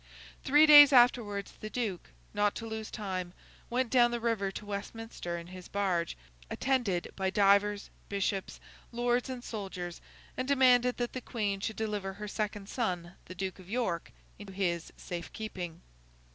Three days afterwards the Duke, not to lose time, went down the river to Westminster in his barge, attended by divers bishops, lords, and soldiers, and demanded that the Queen should deliver her second son, the Duke of York, into his safe keeping.